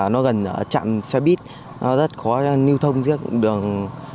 nó gần trạm xe buýt nó rất khó nưu thông giữa đường